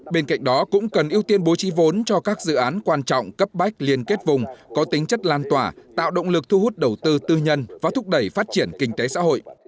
bên cạnh đó cũng cần ưu tiên bố trí vốn cho các dự án quan trọng cấp bách liên kết vùng có tính chất lan tỏa tạo động lực thu hút đầu tư tư nhân và thúc đẩy phát triển kinh tế xã hội